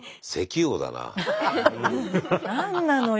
何なのよ